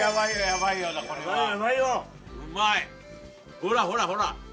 ほらほらほら！